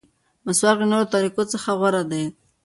مسواک له نورو طریقو څخه غوره دی.